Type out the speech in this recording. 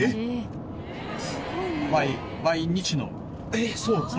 えっそうなんですか！？